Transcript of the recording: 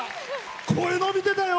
声、伸びてたよ！